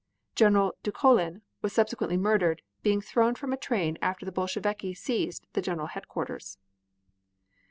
General Dukholin was subsequently murdered, by being thrown from a train after the Bolsheviki seized the general headquarters.